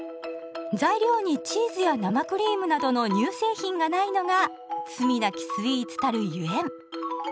材料にチーズや生クリームなどの乳製品がないのが「罪なきスイーツ」たるゆえん。